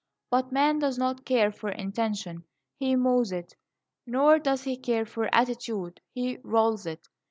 But man does not care for intention; he mows it. Nor does he care for attitude; he rolls it.